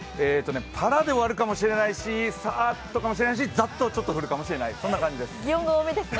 パラで終わるかもしれないし、サーッとかもしれないし、ザッとちょっと降るかもしれないです。